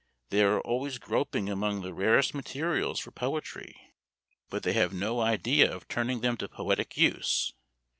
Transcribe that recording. They are always groping among the rarest materials for poetry, but they have no idea of turning them to poetic use.